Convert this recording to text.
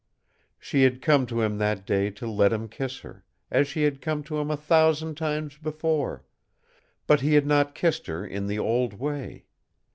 She had come to him that day to let him kiss her, as she had come to him a thousand times before; but he had not kissed her in the old way.